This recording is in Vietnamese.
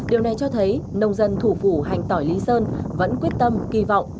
điều này cho thấy nông dân thủ phủ hành tỏi lý sơn vẫn quyết tâm kỳ vọng